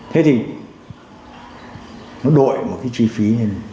thế thì nó đổi một cái chi phí như thế này